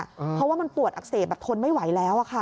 เพราะว่ามันปวดอักเสบแบบทนไม่ไหวแล้วค่ะ